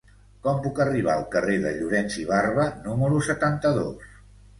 Com puc arribar al carrer de Llorens i Barba número setanta-dos?